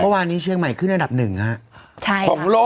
เพราะวันนี้เชียงใหม่ขึ้นอนัดหนึ่งค่ะ